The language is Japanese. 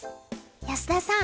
安田さん